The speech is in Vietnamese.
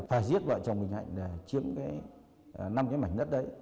phải giết vợ chồng bình hạnh để chiếm năm cái mảnh đất đấy